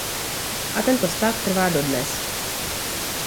A tento stav trvá dodnes.